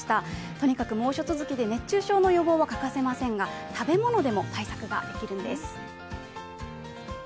とにかく猛暑続きで熱中症の予防は欠かせませんが、食べ物でも対策ができるんです。